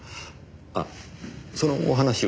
あそのお話は？